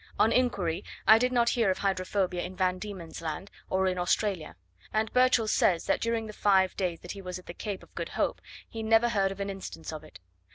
On inquiry, I did not hear of hydrophobia in Van Diemen's Land, or in Australia; and Burchell says, that during the five years he was at the Cape of Good Hope, he never heard of an instance of it.